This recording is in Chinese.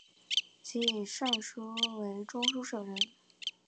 其以善书为中书舍人。